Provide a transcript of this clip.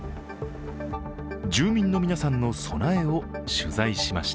住民の皆さんの備えを取材しました。